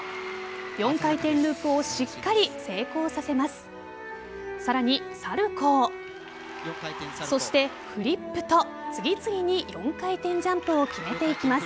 ４回転ループをしっかり成功させます。